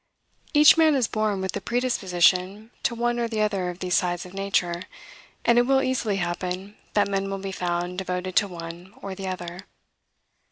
Each man is born with a predisposition to one or the other of these sides of nature; and it will easily happen that men will be found devoted to one or the other.